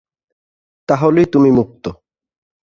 তাহলেই তুমি মুক্ত।